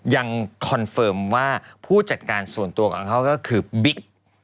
คอนเฟิร์มว่าผู้จัดการส่วนตัวของเขาก็คือบิ๊ก